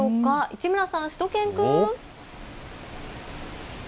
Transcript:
市村さん、しゅと犬くん。